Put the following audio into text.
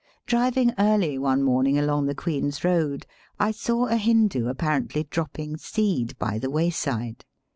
Driving early one morning along the Queen's Eoad I saw a Hindoo apparently dropping seed by the way side.